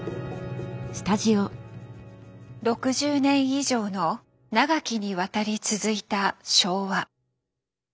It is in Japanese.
６０年以上の長きにわたり続いた昭和。